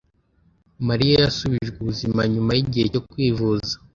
Mariya yasubijwe ubuzima nyuma yigihe cyo kwivuza